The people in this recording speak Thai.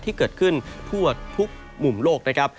ที่เกิดขึ้นทั่วทุกมุมโลกนะครับ